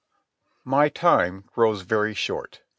My time grows very short.